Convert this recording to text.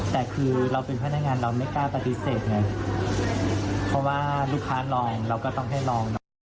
แต่คือเราเป็นพนักงานเราไม่กล้าปฏิเสธไงเพราะว่าลูกค้าลองเราก็ต้องให้ลองหน่อย